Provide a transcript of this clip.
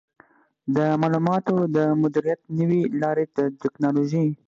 د معلوماتو د مدیریت نوې لارې د ټکنالوژۍ